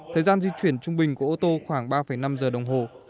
thời gian di chuyển trung bình của ô tô khoảng ba năm giờ đồng hồ